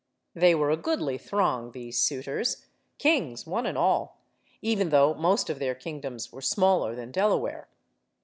They were a goodly throng, these suitors; kings one and all, even though most of their kingdoms were smaller than Dela ware.